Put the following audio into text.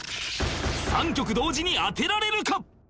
３曲同時に当てられるか？